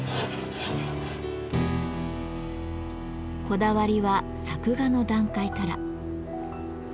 こだわりは作画の段階から。